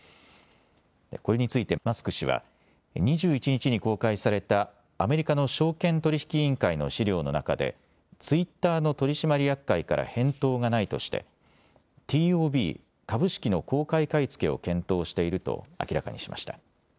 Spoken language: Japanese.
これについてマスク氏は２１日に公開されたアメリカの証券取引委員会の資料の中でツイッターの取締役会から返答がないとしてＴＯＢ・株式の公開買い付けを検討していると明らかにしました。